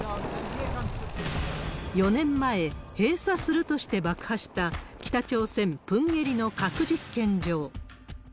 ４年前、閉鎖するとして爆破した北朝鮮・プンゲリの核実験場。